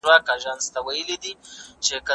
کښېناستل وکړه،